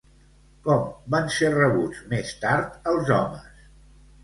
Com van ser rebuts, més tard, els homes?